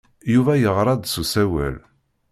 Yuba yeɣra-d s usawal.